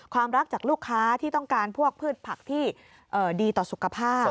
ความรักจากลูกค้าที่ต้องการพวกพืชผักที่ดีต่อสุขภาพ